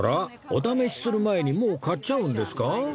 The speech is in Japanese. お試しする前にもう買っちゃうんですか？